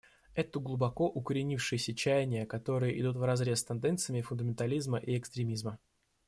Это глубоко укоренившиеся чаяния, которые идут вразрез с тенденциями фундаментализма и экстремизма.